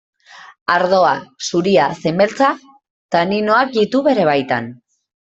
Ardoa, zuria zein beltza, taninoak ditu bere baitan.